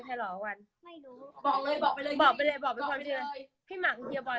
เจ้ากลับทำงานได้ล่ะ